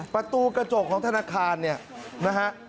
ประตูกระจกของธนาคารเนี่ยนะฮะ